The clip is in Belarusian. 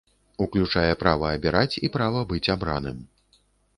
Уключае права абіраць і права быць абраным.